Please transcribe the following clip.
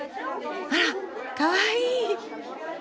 あらかわいい。